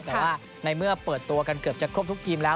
แต่ว่าในเมื่อเปิดตัวกันเกือบจะครบทุกทีมแล้ว